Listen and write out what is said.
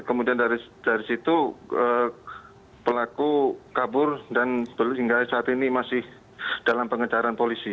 kemudian dari situ pelaku kabur dan hingga saat ini masih dalam pengejaran polisi